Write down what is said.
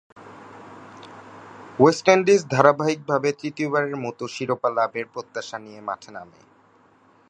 West Indies ধারাবাহিকভাবে তৃতীয়বারের মতো শিরোপা লাভের প্রত্যাশা নিয় মাঠে নামে।